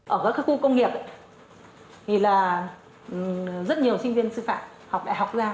ở các khu công nghiệp thì là rất nhiều sinh viên sư phạm học đại học ra